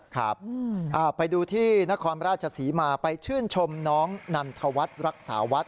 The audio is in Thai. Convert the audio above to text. ครับไปดูที่นครราชศรีมาไปชื่นชมน้องนันทวัฒน์รักษาวัด